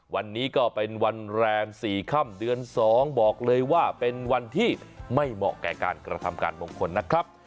วันนี้ก็เป็นวันแรม๔ค่ำเดือน๒บอกเลยว่าเป็นวันที่ไม่เหมาะแก่การกระทำการมงคลนะครับ